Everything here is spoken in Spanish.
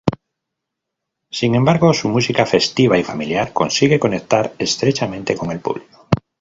Sin embargo, su música festiva y familiar consigue conectar estrechamente con el público.